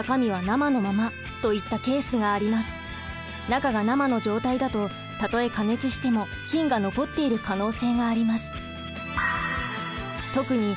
中が生の状態だとたとえ加熱しても菌が残っている可能性があります。